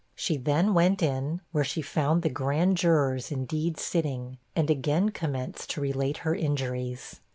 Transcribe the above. She then went in, where she found the Grand Jurors indeed sitting, and again commenced to relate her injuries.